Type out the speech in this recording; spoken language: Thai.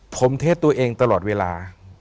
ผมเทศตัวเองตลอดเวลา